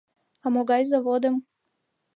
А могай заводым?